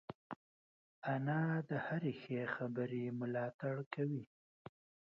انا د هرې ښې خبرې ملاتړ کوي